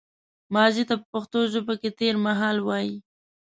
ماضي ته په پښتو ژبه کې تېرمهال وايي